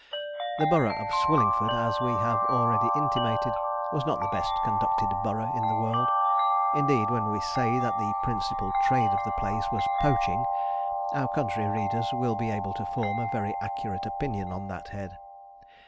The borough of Swillingford, as we have already intimated, was not the best conducted borough in the world; indeed, when we say that the principal trade of the place was poaching, our country readers will be able to form a very accurate opinion on that head.